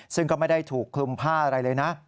ซึ่งก็ไม่ได้ถูกคลุมผ้าอะไรเลยนะ